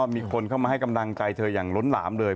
มีคนเข้ามาให้กำลังใจเธออย่างล้นหลามเลย